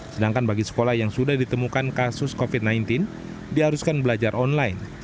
sedangkan bagi sekolah yang sudah ditemukan kasus covid sembilan belas diharuskan belajar online